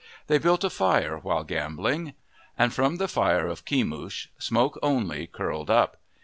They built a fire while gambling. And from the fire of Kemush smoke only curled up.